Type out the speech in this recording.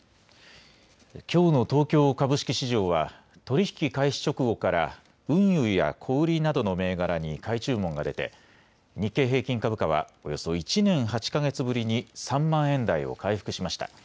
きょうの東京株式市場は取り引き開始直後から運輸や小売りなどの銘柄に買い注文が出て日経平均株価はおよそ１年８か月ぶりに３万円台を回復しました。